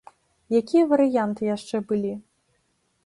Якія варыянты яшчэ былі?